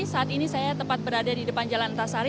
saat ini saya tepat berada di depan jalan antasari